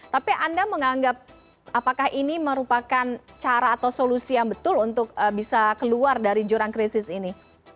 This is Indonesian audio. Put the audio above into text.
tapi anda menganggap apakah ini merupakan cara atau solusi yang betul untuk bisa keluar dari jurang krisis ini